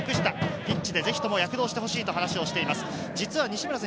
ピッチでぜひとも躍動してほしいと話しています。